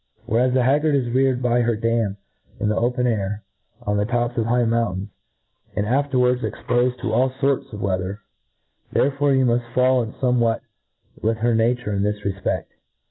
«^ Whereas the haggard is reared by herdam iri the open air, on the tops of high mountains, and afterwards expofed to all forts of wfeather ; therefore you muft fall in foracwhat with her na ture in this refpedi.